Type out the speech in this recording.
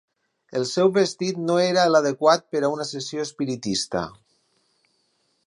El seu vestit no era el adequat per a una sessió espiritista.